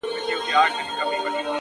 د حقیقت منل د عقل ښکلا ده.!